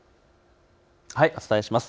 お伝えします。